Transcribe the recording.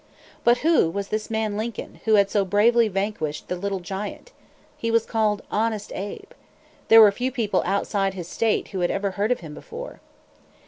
But who was this man Lincoln, who had so bravely vanquished the Little Giant? He was called "Honest Abe." There were few people outside of his state who had ever heard of him before.